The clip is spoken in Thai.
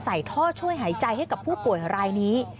ใส่ท่อช่วยหายใจให้กับผู้ป่วยรายนี้